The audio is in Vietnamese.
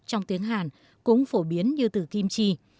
trong tiếng hàn cũng phổ biến như từ kim chi